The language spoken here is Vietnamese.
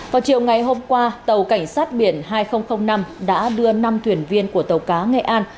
vào chiều ngày hôm qua tàu cảnh sát biển hai nghìn năm đã đưa năm thuyền viên của tàu cá nghệ an